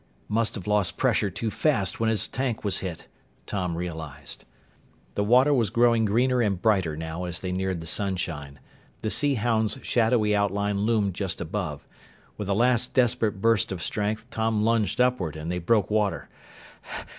"Must've lost pressure too fast when his tank was hit," Tom realized. The water was growing greener and brighter now as they neared the sunshine. The Sea Hound's shadowy outline loomed just above. With a last desperate burst of strength, Tom lunged upward and they broke water.